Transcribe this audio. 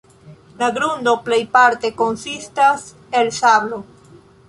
La grundo plejparte konsistas el sablo.